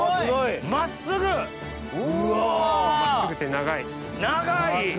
真っすぐで長い。